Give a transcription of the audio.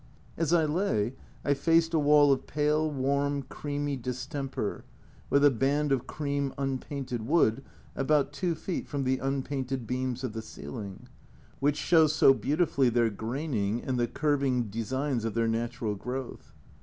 As I lay I faced a wall of pale, warm, creamy dis temper, with a band of cream unpainted wood about two feet from the unpainted beams of the ceiling, which show so beautifully their graining and the curving designs of their natural growth.